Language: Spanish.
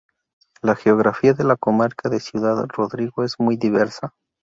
La geografía de la comarca de Ciudad Rodrigo es muy diversa.